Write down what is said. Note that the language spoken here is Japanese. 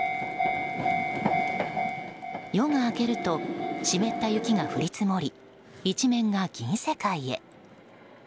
夜が明けると湿った雪が降り積もり一面が銀世界へ。